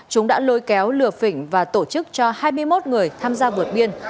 chúng đã lôi kéo lừa phỉnh và tổ chức cho hai mươi một người tham gia vượt biên